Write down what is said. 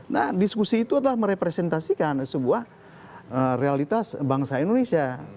nah diskusi itu adalah merepresentasikan sebuah realitas bangsa indonesia